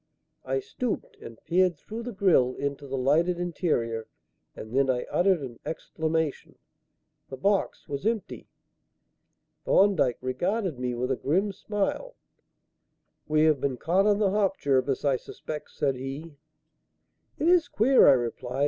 I stooped and peered through the grille into the lighted interior; and then I uttered an exclamation. The box was empty. Thorndyke regarded me with a grim smile. "We have been caught on the hop, Jervis, I suspect," said he. "It is queer," I replied.